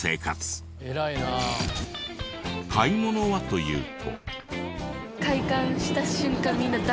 買い物はというと。